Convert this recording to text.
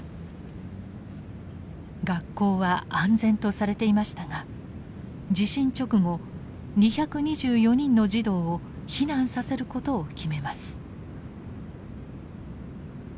学校は安全とされていましたが地震直後２２４人の児童を避難させることを決めます。